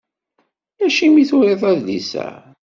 Acimi i turiḍ adlis-a?